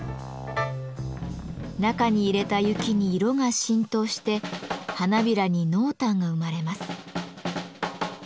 中に入れた雪に色が浸透して花びらに濃淡が生まれます。